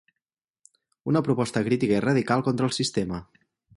Una proposta crítica i radical contra el sistema.